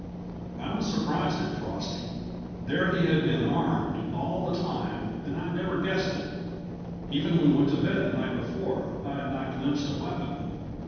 I was surprised at Frosty; there he had been armed, all the time, and I never guessed it. Even when we went to bed the night before, I had not glimpsed a weapon.